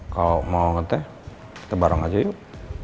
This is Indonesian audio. kalau mau ngeteh kita bareng aja yuk